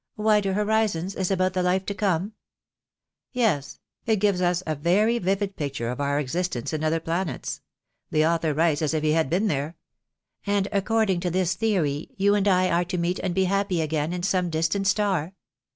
" 'Wider Horizons' is about the life to come?" "Yes; it gives us a very vivid picture of our existence in other planets. The author writes as if he had been there." 52 THE DAY WILL COME. "And according to this theory you and I are to meet and be happy again in some distant star?"